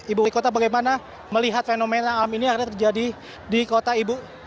ibu wali kota bagaimana melihat fenomena alam ini akhirnya terjadi di kota ibu